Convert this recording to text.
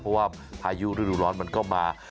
เพราะว่าพายุฤดูร้อนมันก็มา